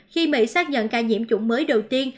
khi mỹ xác nhận ca nhiễm chủng mới đầu tiên